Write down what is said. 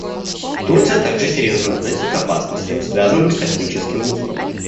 Турция также серьезно относится к опасностям, связанным с космическим мусором.